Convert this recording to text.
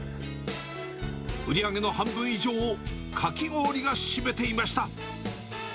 売り上げの半分以上をかき氷が占めていました。